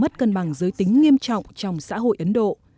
nhiều người đã tìm ra một giới tính nghiêm trọng trong xã hội ấn độ